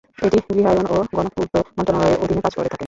এটি গৃহায়ন ও গণপূর্ত মন্ত্রণালয়ের অধীনে কাজ করে থাকে।